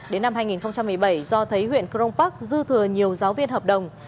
đến năm hai nghìn một mươi bảy do thấy huyện crong park dư thừa nhiều giáo viên hợp đồng